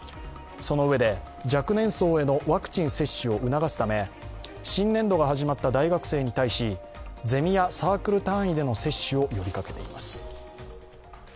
そのうえで、若年層へのワクチン接種を促すため新年度が始まった大学生に対し、ゼミやサークル単位での接種を呼びかけています。